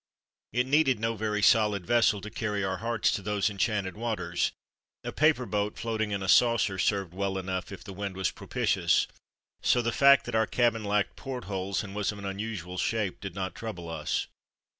It needed no very solid vessel to carry our hearts to those enchanted waters a paper boat floating in a saucer served well enough 4 THE DAY BEFORE YESTERDAY if the wind was propitious so the fact that our cabin lacked portholes and was of an unusual shape did not trouble us.